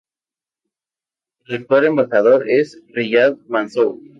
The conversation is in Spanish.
El actual embajador es Riyad Mansour.